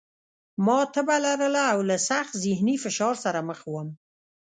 ما تبه لرله او له سخت ذهني فشار سره مخ وم